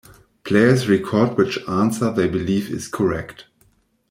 Players record which answer they believe is correct.